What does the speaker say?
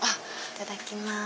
いただきます。